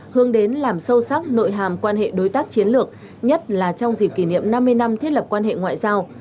hướng đến làm sâu sắc nội hàm quan hệ đối tác chiến lược nhất là trong dịp kỷ niệm năm mươi năm thiết lập quan hệ ngoại giao